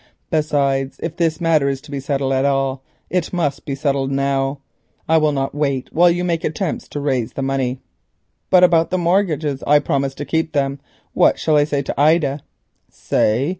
Besides, if this matter is to be settled at all it must be settled at once. I will not wait while you make attempts to raise the money." "But about the mortgages? I promised to keep them. What shall I say to Ida?" "Say?